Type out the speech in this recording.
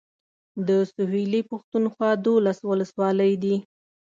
د سويلي پښتونخوا دولس اولسولۍ دي.